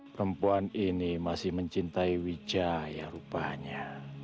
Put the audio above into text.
perempuan ini masih mencintai wijaya rupanya